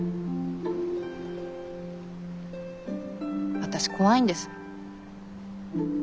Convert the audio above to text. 私怖いんです。